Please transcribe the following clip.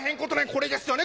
これですよね